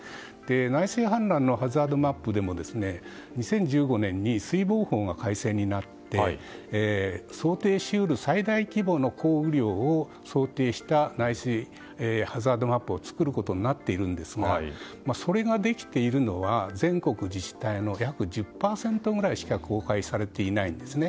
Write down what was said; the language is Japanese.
内水氾濫のハザードマップでも水防法が改正になって想定し得る最大規模の降雨量を想定した内水ハザードマップを作ることになっているんですがそれができているのは全国自治体の約１０％ぐらいしか公開されていないんですね。